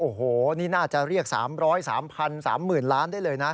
โอ้โหนี่น่าจะเรียก๓๐๓๓๐๐๐ล้านได้เลยนะ